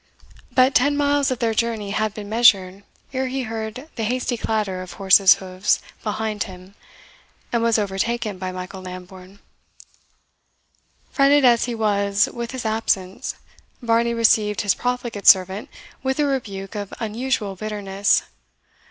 But ten miles of their journey had been measured ere he heard the hasty clatter of horse's hoofs behind him, and was overtaken by Michael Lambourne. Fretted as he was with his absence, Varney received his profligate servant with a rebuke of unusual bitterness.